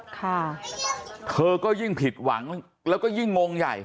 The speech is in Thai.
ค่ะเธอก็ยิ่งผิดหวังแล้วก็ยิ่งงงใหญ่